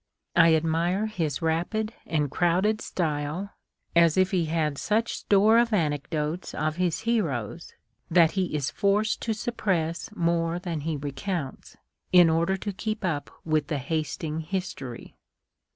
1 admire his rapid and crowded style, as if he had such store of anecdotes of his heroes that he is forced to sujjpress more than he recounts, in order to keep up Avith the hasting history.